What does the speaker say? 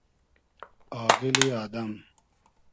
آغیلی آدئم